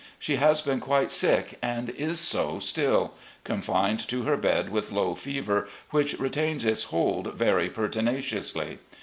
She has been quite sick and is so stiU — confined to her bed with low fever, which retains its hold very pertinaciously.